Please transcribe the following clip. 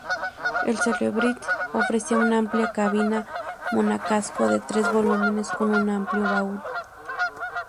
El Celebrity ofrecía una amplia cabina monocasco de tres volúmenes, con un amplio baúl.